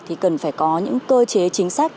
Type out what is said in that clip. thì cần phải có những cơ chế chính sách